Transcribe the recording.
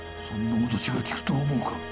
そんな脅しが効くと思うか？